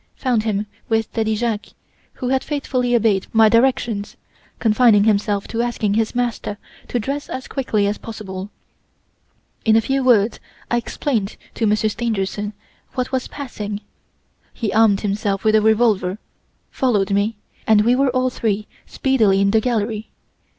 I found him with Daddy Jacques, who had faithfully obeyed my directions, confining himself to asking his master to dress as quickly as possible. In a few words I explained to Monsieur Stangerson what was passing. He armed himself with a revolver, followed me, and we were all three speedily in the gallery.